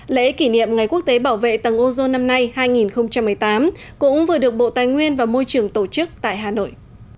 lễ kỷ niệm ngày quốc tế bảo vệ tầng ozone năm nay hai nghìn một mươi tám cũng vừa được bộ tài nguyên và môi trường tổ chức tại hà nội